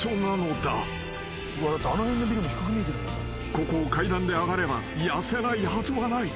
［ここを階段で上がれば痩せないはずはない］